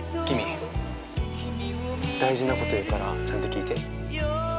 キミ大事なこと言うからちゃんと聞いて。